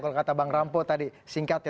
kalau kata bang rampo tadi singkatnya